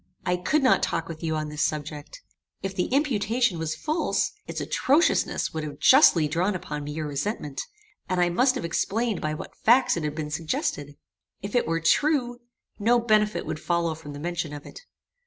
"I could not talk with you on this subject. If the imputation was false, its atrociousness would have justly drawn upon me your resentment, and I must have explained by what facts it had been suggested. If it were true, no benefit would follow from the mention of it.